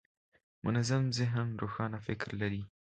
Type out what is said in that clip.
منظم ذهن روښانه فکر لري.